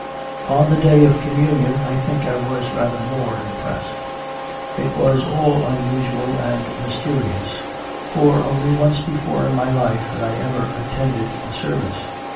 On the day of Communion I think I was rather more impressed. It was all unusual and mysteri ous; for only once before in my life had I even attended the service.